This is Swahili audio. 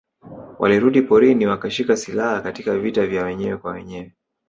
Walirudi porini wakashika silaha Katika vita vya wenyewe kwa wenyewe